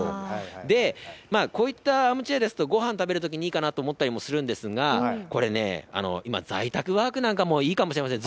で、こういったアームチェアですと、ごはん食べるときにいいかなと思ったりもするんですが、これね、今、在宅ワークなんかもいいかもしれません。